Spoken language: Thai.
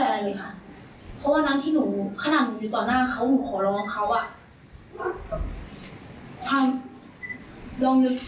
และผมก็รู้สึกว่าตอนหน้าเขาหนึ่งยังอันนี้